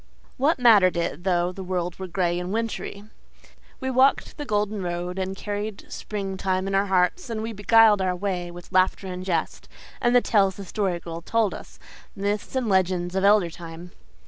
What mattered it though the world were gray and wintry? We walked the golden road and carried spring time in our hearts, and we beguiled our way with laughter and jest, and the tales the Story Girl told us myths and legends of elder time.